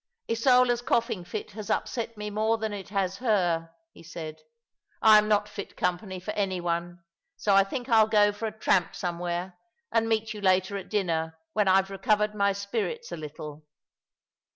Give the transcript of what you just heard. " Isola's coughing fit has upset me more than it has her/' he said ;" I'm not fit company for any one, so I think I'll go for a tramp somewhere, and meet you later at dinner, when I've recovered my spirits a little."